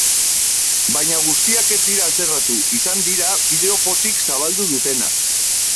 Baina guztiak ez dira haserretu, izan dira, bideoa pozik zabaldu dutenak.